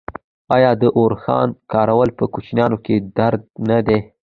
آیا د اوښانو کارول په کوچیانو کې دود نه دی؟